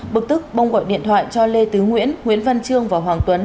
bực tức bông gọi điện thoại cho lê tứ nguyễn nguyễn văn trương và hoàng tuấn